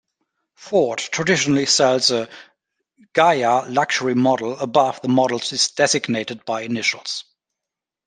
Ford traditionally sells a "Ghia" luxury model above the models designated by initials.